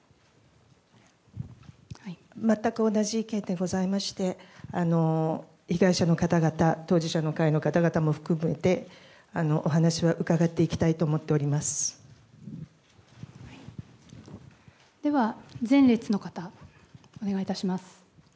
全く同じ意見でございまして、被害者の方々、当事者の会の方々も含めて、お話は伺っていきたいと思っておりまでは、前列の方、お願いいたします。